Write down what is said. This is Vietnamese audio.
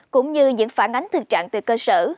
cũng như những phản ánh thực trạng từ cơ sở